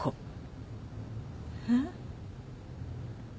えっ？